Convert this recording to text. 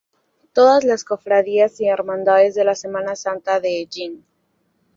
Todas las Cofradías y Hermandades de la Semana Santa de Hellín.